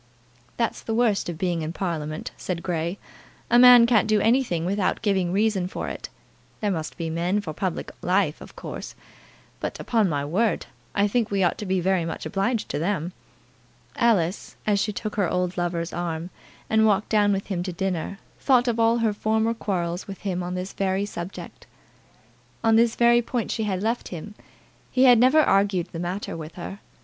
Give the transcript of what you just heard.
"That's the worst of being in Parliament," said Grey. "A man can't do anything without giving a reason for it. There must be men for public life, of course; but, upon my word, I think we ought to be very much obliged to them." Alice, as she took her old lover's arm, and walked down with him to dinner, thought of all her former quarrels with him on this very subject. On this very point she had left him. He had never argued the matter with her.